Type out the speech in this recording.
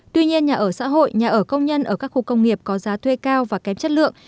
tuy nhiên nhà ở xã hội nhà ở công nhân ở các khu công nghiệp có giá thuê cao và kém chất lượng